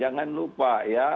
jangan lupa ya